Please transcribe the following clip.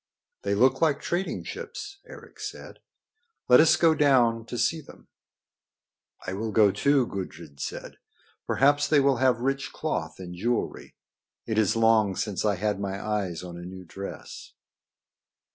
"They look like trading ships," Eric said. "Let us go down to see them." "I will go, too," Gudrid said. "Perhaps they will have rich cloth and jewelry. It is long since I had my eyes on a new dress."